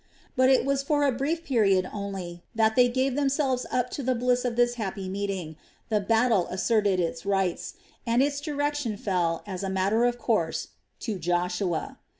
But it was for a brief period only that they gave themselves up to the bliss of this happy meeting; the battle asserted its rights, and its direction fell, as a matter of course, to Joshua.